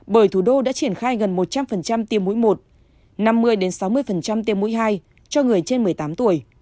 bởi thủ đô đã triển khai gần một trăm linh tiêm mũi một năm mươi sáu mươi tiêm mũi hai cho người trên một mươi tám tuổi